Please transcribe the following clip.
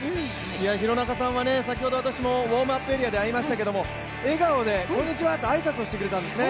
廣中さんは先ほど私もウォームアップエリアで会いましたけど笑顔でこんにちはと挨拶をしてくれたんですね。